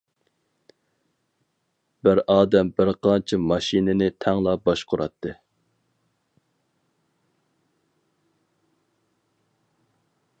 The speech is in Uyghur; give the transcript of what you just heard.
بىر ئادەم بىر قانچە ماشىنىنى تەڭلا باشقۇراتتى.